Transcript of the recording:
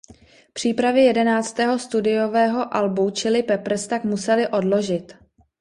Přípravy jedenáctého studiového albu Chili Peppers tak museli odložit.